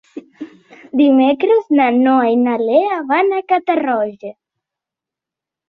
Dimecres na Noa i na Lea van a Catarroja.